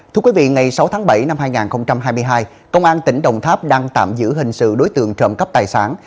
thưa quý vị ngày sáu tháng bảy năm hai nghìn hai mươi hai công an tỉnh đồng tháp đang tạm giữ hình sự đối tượng trộm cắp tài sản